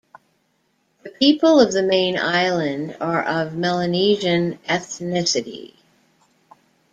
The people of the main island are of Melanesian ethnicity.